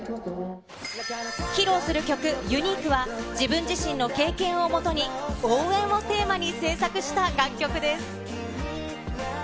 披露する曲、ユニークは、自分自身の経験をもとに、応援をテーマに制作した楽曲です。